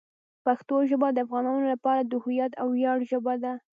پښتو ژبه د افغانانو لپاره د هویت او ویاړ ژبه ده.